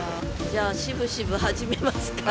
じゃあしぶしぶ始めますか。